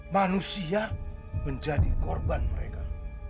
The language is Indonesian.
manusia menjadi korban mereka